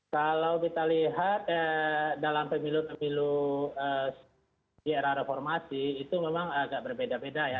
kalau kita lihat dalam pemilu pemilu di era reformasi itu memang agak berbeda beda ya